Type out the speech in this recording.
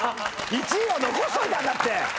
１位を残しといたんだって！